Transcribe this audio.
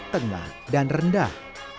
tengah dan rendah